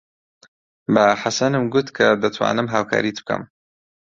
بە حەسەنم گوت کە دەتوانم هاوکاریت بکەم.